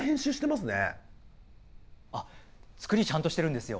あっ作りちゃんとしてるんですよ